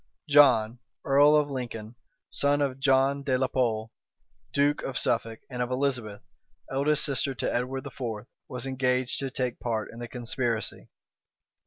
John, earl of Lincoln, son of John de la Pole, duke of Suffolk, and of Elizabeth, eldest sister to Edward IV., was engaged to take part in the conspiracy.